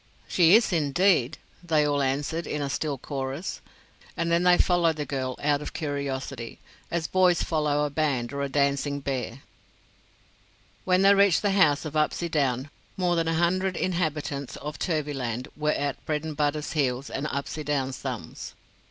"She is, indeed," they all answered, in a still chorus, and then they followed the girl out of curiosity, as boys follow a band or a dancing bear. When they reached the house of Upsydoun more than a hundred inhabitants of Turvyland were at Bredenbutta's heels and Upsydoun's thumbs.